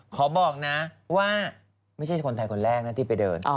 บอกนะว่าไม่ใช่คนไทยคนแรกนะที่ไปเดิน